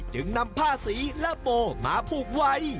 จึงนำผ้าสีและโบมาผูกไว้